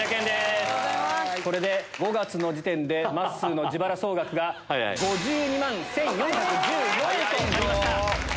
これで５月の時点でまっすーの自腹総額が５２万１４１４円となりました。